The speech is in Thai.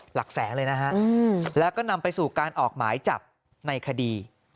หลักแสนเลยนะฮะแล้วก็นำไปสู่การออกหมายจับในคดี